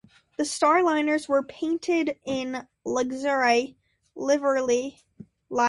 The Starliners were painted in Luxair livery and were registered in Luxembourg.